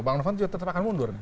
bang novanto juga tetap akan mundur